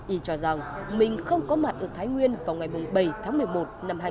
y cho rằng mình không có mặt ở thái nguyên vào ngày bảy tháng một mươi một năm hai nghìn một mươi